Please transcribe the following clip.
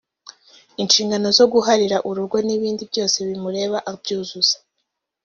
ishingano zo guhahira urugo n’ibindi byose bimureba abyuzuza